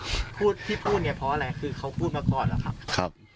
พร้อมหน้าพ่อเขาพูดแบบนั้นเหรอครับ